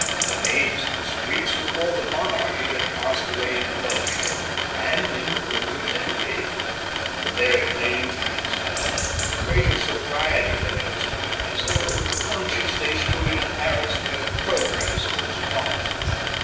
The names of the streets recalled the monarchy that passed away in bloodshed, and in poudre de riz. The very plane trees had a greater sobriety than elsewhere, as though conscious they stood in a Paris where progress was not.